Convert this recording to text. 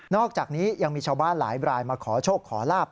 อกจากนี้ยังมีชาวบ้านหลายรายมาขอโชคขอลาบ